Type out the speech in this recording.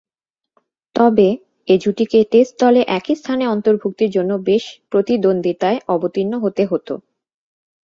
তবে, এ জুটিকে টেস্ট দলে একই স্থানে অন্তর্ভূক্তির জন্য বেশ প্রতিদ্বন্দ্বিতায় অবতীর্ণ হতে হতো।